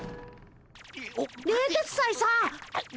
冷徹斎さん！